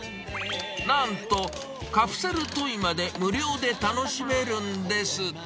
なんと、カプセルトイまで無料で楽しめるんです。